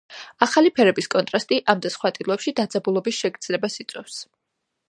ახალი ფერების კონტრასტი ამ და სხვა ტილოებში დაძაბულობის შეგრძნებას იწვევს.